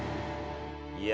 いや。